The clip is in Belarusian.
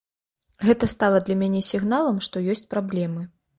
Гэта стала для мяне сігналам, што ёсць праблемы.